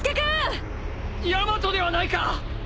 ヤマトではないか！